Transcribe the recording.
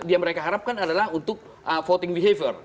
yang mereka harapkan adalah untuk voting behavior